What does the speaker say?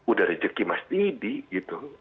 udah rezeki mas didi gitu